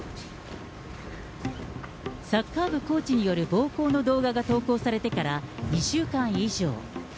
サッカー部コーチによる暴行の動画が投稿されてから２週間以上。